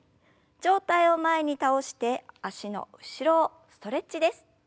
上体を前に倒して脚の後ろをストレッチです。